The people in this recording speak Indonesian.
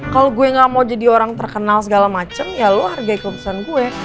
kalau gue gak mau jadi orang terkenal segala macem ya lo hargai keputusan gue